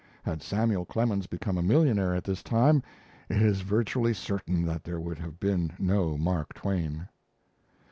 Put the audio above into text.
Had Samuel Clemens become a millionaire at this time, it is virtually certain that there would have been no Mark Twain.